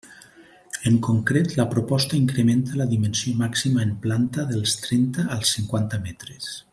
En concret, la proposta incrementa la dimensió màxima en planta dels trenta als cinquanta metres.